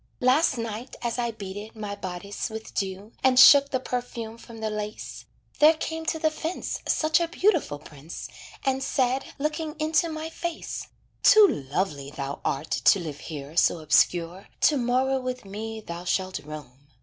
"Last night as I beaded my bodice with dew, And shook the perfume from the lace, There came to the fence Such a beautiful prince, And said, looking into my face: "Too lovely thou art to live here so obscure To morrow with me thou shalt roam.